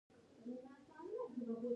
ځینې خلک ترې غواړي